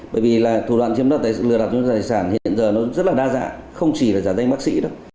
bởi vì là thủ đoạn chiếm đặt lừa đảo tội chiếm đặt tài sản hiện giờ nó rất là đa dạng không chỉ là giả danh bác sĩ đâu